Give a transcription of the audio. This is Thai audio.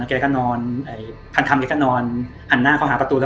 แคนคำเขาก็นอนหันหน้าพามาหาตัวอะไร